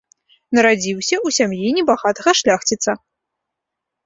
Нарадзіўся ў сям'і небагатага шляхціца.